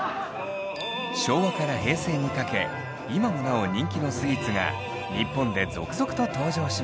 昭和から平成にかけ今もなお人気のスイーツが日本で続々と登場しました。